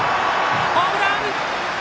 ホームラン！